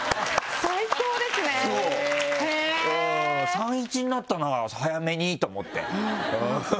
３：１になったな早めにと思ってハハハハ！